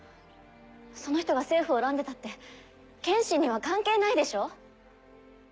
その人が政府を恨んでたって剣心には関係ないでしょ？